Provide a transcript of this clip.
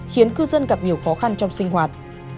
khiến cư dân gặp nhiều khó khăn trong sinh hoạt